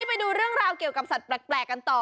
ไปดูเรื่องราวเกี่ยวกับสัตว์แปลกกันต่อ